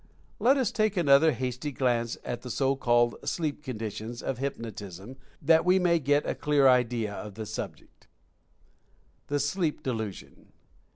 Let us take another hasty glance at the so called "sleep conditions" of hypnotism, that we may get a clear idea of the subject. THE "SLEEP DELUSION."